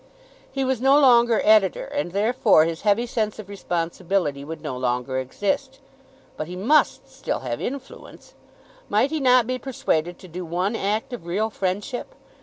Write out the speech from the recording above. He was no longer editor, and therefore his heavy sense of responsibility would no longer exist; but he must still have influence. Might he not be persuaded to do one act of real friendship?